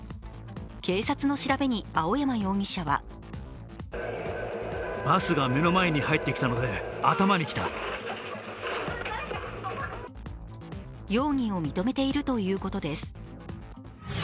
警察の調べに青山容疑者は容疑を認めているということです。